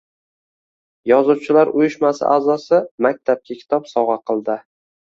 Yozuvchilar uyushmasi a’zosi maktabga kitob sovg‘a qildi